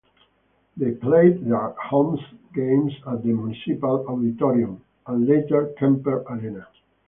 They played their home games at the Municipal Auditorium and later Kemper Arena.